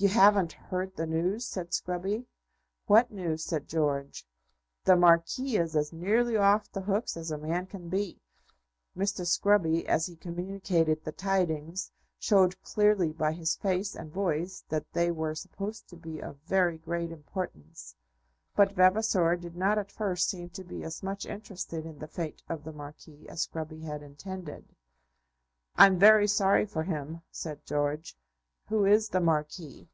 "You haven't heard the news," said Scruby. "What news?" said George. "The Marquis is as nearly off the hooks as a man can be." Mr. Scruby, as he communicated the tidings, showed clearly by his face and voice that they were supposed to be of very great importance; but Vavasor did not at first seem to be as much interested in the fate of "the Marquis" as Scruby had intended. "I'm very sorry for him," said George. "Who is the Marquis?